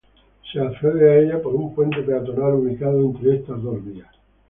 Se accede a ella por un puente peatonal ubicado entre estas dos vías.